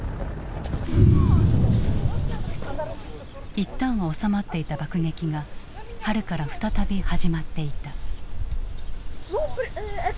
一旦は収まっていた爆撃が春から再び始まっていた。